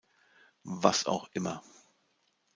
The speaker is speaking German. Was auch immer.